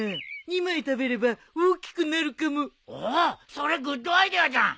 それグッドアイデアじゃん。